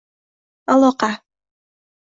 Aloqa